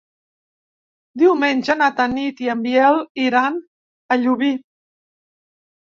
Diumenge na Tanit i en Biel iran a Llubí.